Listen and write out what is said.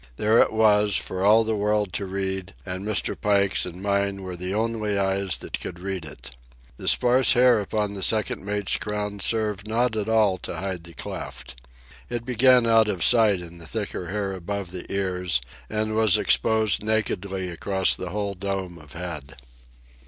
There it was, for all the world to read, and Mr. Pike's and mine were the only eyes that could read it. The sparse hair upon the second mate's crown served not at all to hide the cleft. It began out of sight in the thicker hair above the ears, and was exposed nakedly across the whole dome of head.